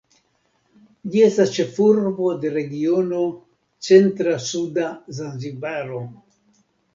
Ĝi estas ĉefurbo de regiono Centra-Suda Zanzibaro.